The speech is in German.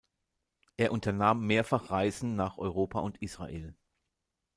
Er unternahm mehrfach Reisen nach Europa und Israel.